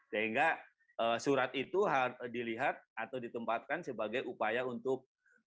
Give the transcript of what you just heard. sehingga surat itu dilihat atau ditempatkan sebagai upaya untuk